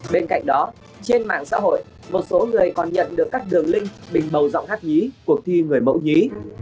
bên cạnh đó trên mạng xã hội một số người còn nhận được các đường link bình màu giọng hát nhí cuộc thi người mẫu nhí